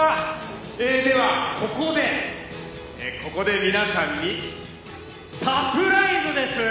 「ではここでここで皆さんにサプライズです！」